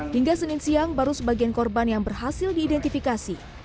hingga senin siang baru sebagian korban yang berhasil diidentifikasi